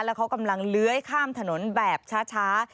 แล้วเขากำลังเลื้อยข้ามถนนแบบช้า